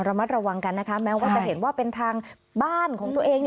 ระมัดระวังกันนะคะแม้ว่าจะเห็นว่าเป็นทางบ้านของตัวเอง